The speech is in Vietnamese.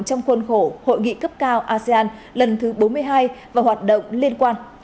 trong khuôn khổ hội nghị cấp cao asean lần thứ bốn mươi hai và hoạt động liên quan